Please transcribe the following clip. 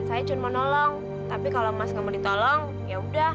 saya cuma mau nolong tapi kalau mas nggak mau ditolong ya udah